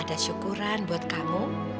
ada syukuran buat kamu